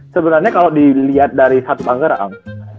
sebenarnya kalau dilihat dari satu pangerang